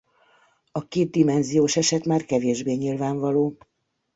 A kétdimenziós eset már kevésbé nyilvánvaló.